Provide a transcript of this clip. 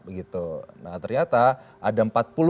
nah ternyata ada empat puluh enam